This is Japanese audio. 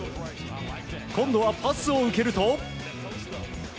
今度はパスを受けると。